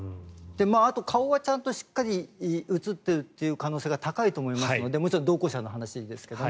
顔はちゃんと映っているという可能性が高いと思いますのでもちろん同行者の話ですが。